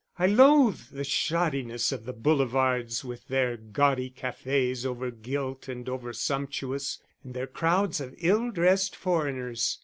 I loathe the shoddiness of the boulevards, with their gaudy cafés over gilt and over sumptuous, and their crowds of ill dressed foreigners.